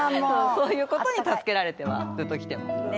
そういうことに助けられてはずっときてますね。